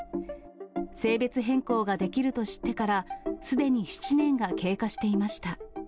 性別変更ができると知ってからすでに７年が経過していました。